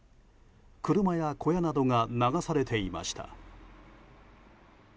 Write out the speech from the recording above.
車や小屋などが流されていました。